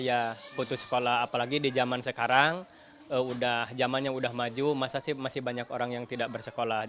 kita putus sekolah apalagi di zaman sekarang zaman yang sudah maju masa sih masih banyak orang yang tidak bersekolah